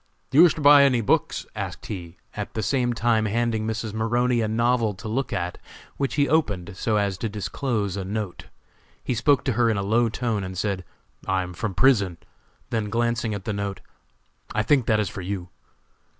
"Do you wish to buy any books?" asked he, at the same time handing Mrs. Maroney a novel to look at, which he opened so as to disclose a note. He spoke to her in a low tone and said: "I am from prison," then glancing at the note, "I think that is for you."